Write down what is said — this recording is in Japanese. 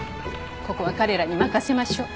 ここは彼らに任せましょう。